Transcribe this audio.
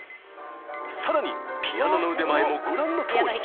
さらに、ピアノの腕前もご覧のとおり。